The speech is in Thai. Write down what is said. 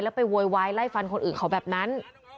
ไปโวยวายไล่ฟันคนอื่นเขาแบบนั้น